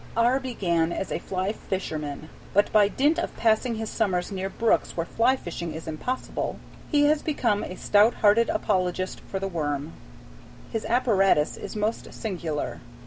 R. began as a fly fisherman, but by dint of passing his summers near brooks where fly fishing is impossible, he has become a stout hearted apologist for the worm. His apparatus is most singular.